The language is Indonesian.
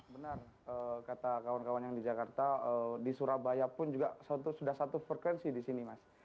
benar kata kawan kawan yang di jakarta di surabaya pun juga sudah satu frekuensi di sini mas